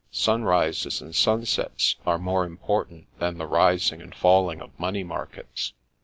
Sunrises and sunsets are more important than the rising and falling of money markets.